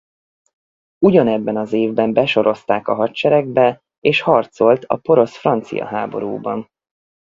Ugyanebben az évben besorozták a hadseregbe és harcolt a porosz–francia háborúban.